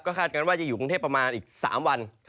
ก็ค่อยกรับอาจอยู่ประมาณ๓วัน